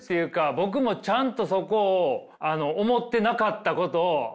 僕もちゃんとそこを思ってなかったことを改めてああ